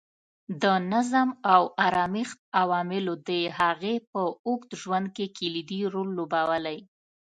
د نظم او ارامښت عواملو د هغې په اوږد ژوند کې کلیدي رول لوبولی.